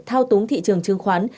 thao túng thị trường chứng khoán